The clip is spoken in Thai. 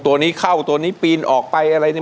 ตัวนี้เข้าตัวนี้ปีนออกไปอะไรเนี่ย